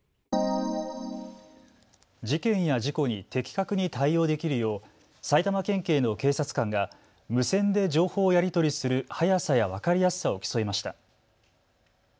事件や事故に的確に対応できるよう埼玉県警の警察官が無線で情報をやり取りする速さや分かりやすさを競いました。